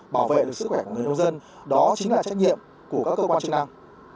bảo vệ được sức khỏe của người nông dân đó chính là trách nhiệm của các cơ quan chức năng